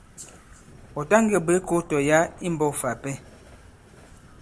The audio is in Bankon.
Ɔ̀ ta ngē bwě kō tɔ̀ yǎ i mbɔ̄k fà ipɛ.